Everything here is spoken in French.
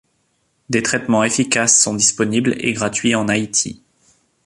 Des traitements efficaces sont disponibles et gratuits en Haïti.